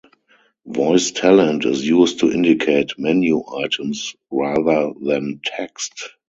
Voice talent is used to indicate menu items rather than text.